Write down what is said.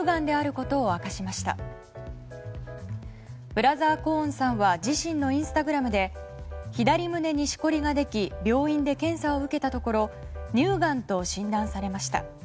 ブラザー・コーンさんは自身のインスタグラムで左胸にしこりができ病院で検査を受けたところ乳がんと診断されました。